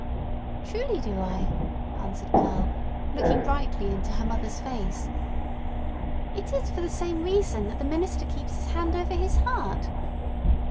"Truly do I!" answered Pearl, looking brightly into her mother's face. "It is for the same reason that the minister keeps his hand over his heart!"